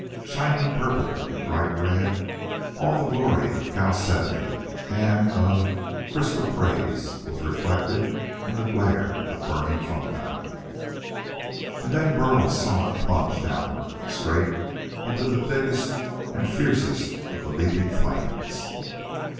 Shining purple and bright red, all the glory of chalcedony and of chrysoprase was reflected in the glare of burning fungi. And then Burl saw it plunge downward, straight into the thickest and fiercest of the leaping flames.